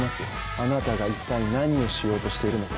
あなたが一体何をしようとしているのか。